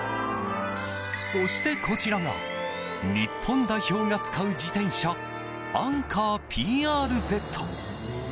そしてこちらが日本代表が使う自転車アンカーＰＲＺ。